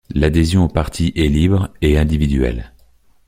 L'adhésion au Parti est libre et individuelle.